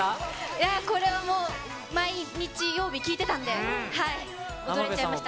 いやぁ、これはもう、毎日曜日、聴いてたんで、踊れちゃいました。